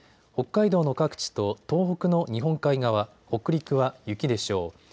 北海道の各地と東北の日本海側、北陸は雪でしょう。